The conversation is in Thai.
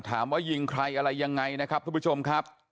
ถามว่ายิงใครอะไรอย่างไงนะครับทุกผู้ชมครับ